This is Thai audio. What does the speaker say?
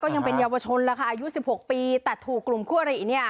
ยังเป็นเยาวชนแล้วค่ะอายุ๑๖ปีแต่ถูกกลุ่มคั่วหรี่เนี่ย